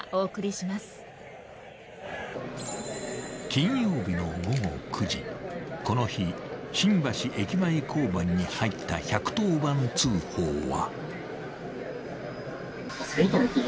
［金曜日の午後９時この日新橋駅前交番に入った１１０番通報は］